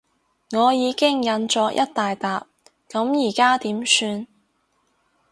我已經印咗一大疊，噉而家點算？